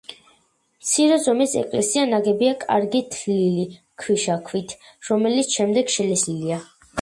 მცირე ზომის ეკლესია ნაგებია კარგად თლილი ქვიშაქვით, რომელიც შემდეგ შელესილია.